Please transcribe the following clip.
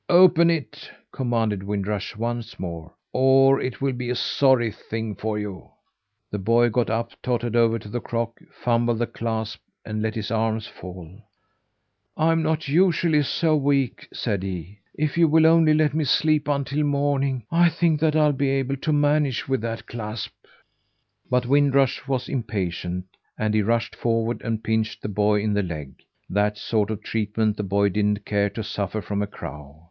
"Open it!" commanded Wind Rush once more, "or it will be a sorry thing for you." The boy got up, tottered over to the crock, fumbled the clasp, and let his arms fall. "I'm not usually so weak," said he. "If you will only let me sleep until morning, I think that I'll be able to manage with that clasp." But Wind Rush was impatient, and he rushed forward and pinched the boy in the leg. That sort of treatment the boy didn't care to suffer from a crow.